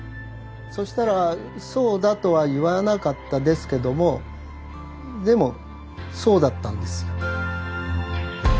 そしたらそうだとは言わなかったですけどもでもそうだったんですよ。